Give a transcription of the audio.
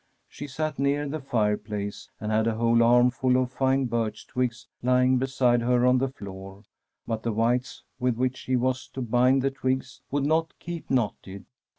She sat near the fireplace, and had a whole armful of fine birch twigs lymg beside her on the floor, but the withes with which she was to bind the twigs would not keep knotted.